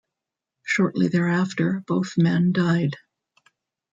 Shortly thereafter, both men died.